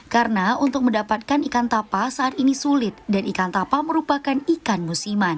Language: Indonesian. karena untuk mendapatkan ikan tepah saat ini sulit dan ikan tepah merupakan ikan musiman